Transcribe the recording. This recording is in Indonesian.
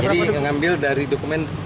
jadi ngambil dari dokumen dua ribu enam belas